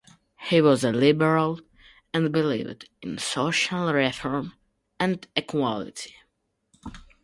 He was a liberal and believed in social reform and equality.